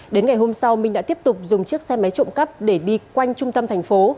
đến ngày hôm sau minh đã tiếp tục dùng chiếc xe máy trộm cắp để đi quanh trung tâm thành phố